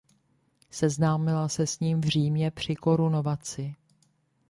Seznámila se s ním v Římě při korunovaci.